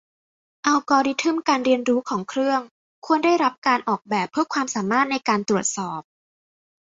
อัลกอริทึมการเรียนรู้ของเครื่องควรได้รับการออกแบบเพื่อความสามารถในการตรวจสอบ